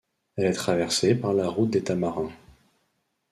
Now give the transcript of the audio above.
Elle est traversée par la route des Tamarins.